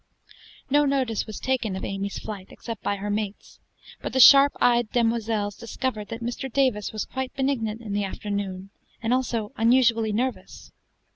No notice was taken of Amy's flight, except by her mates; but the sharp eyed demoiselles discovered that Mr. Davis was quite benignant in the afternoon, and also unusually nervous.